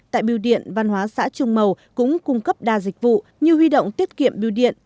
tại biêu điện văn hóa xã trung mầu cũng cung cấp đa dịch vụ như huy động tiết kiệm biêu điện